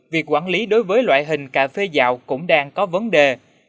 việc quản lý đối với loại hình cà phê gạo cũng đang có vấn đề